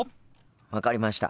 分かりました。